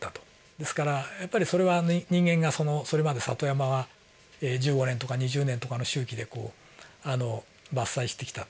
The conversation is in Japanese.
ですからやっぱりそれは人間がそれまで里山は１５年とか２０年とかの周期で伐採してきたと。